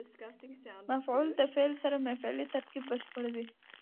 مفعول د فعل سره فعلي ترکیب بشپړوي.